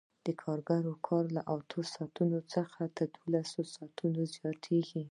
د کارګر کار له اتو ساعتونو څخه دولسو ساعتونو ته زیاتېږي